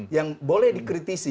yang boleh dikritisi